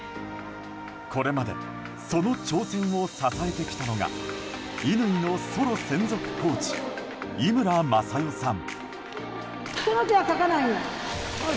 これまでその挑戦を支えてきたのが乾のソロ専属コーチ井村雅代さん。